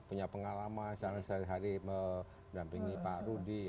punya pengalaman sehari hari mendampingi pak rudi